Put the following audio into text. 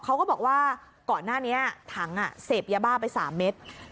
เขาก็บอกว่าก่อนหน้านี้ถังเสพยาบ้าไป๓เม็ด